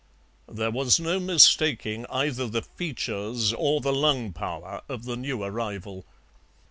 There was no mistaking either the features or the lung power of the new arrival.